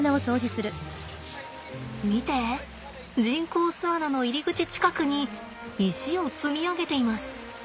見て人工巣穴の入り口近くに石を積み上げています。